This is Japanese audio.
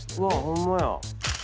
ホンマや。